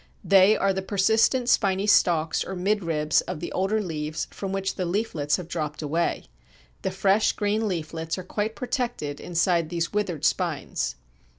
They are the persistent spiny stalks or midribs of the older leaves from which the leaflets have dropped away. The fresh green leaflets are quite protected inside these withered spines.